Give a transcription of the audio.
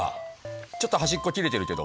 ちょっと端っこ切れているけども。